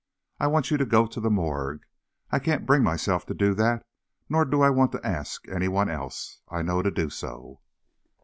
I want you to go to the morgue. I can't bring myself to do that, nor do I want to ask anyone else I know to do so."